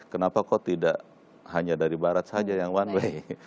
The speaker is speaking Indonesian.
kenapa kok tidak hanya dari barat saja yang one way